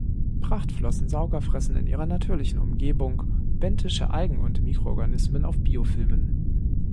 Prachtflossensauger fressen in ihrer natürlichen Umgebung benthische Algen und Mikroorganismen auf Biofilmen.